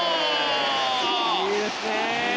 いいですね。